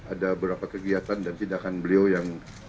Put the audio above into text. ada beberapa kegiatan dan tindakan beliau yang